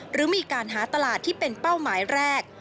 หรือมีการหาตลาดที่เป็นเป้าหมายแรก